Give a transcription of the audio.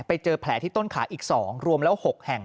ไปเจอแผลที่ต้นขาอีก๒รวมแล้ว๖แห่ง